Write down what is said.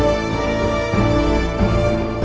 aku akan selalu beautifulingsg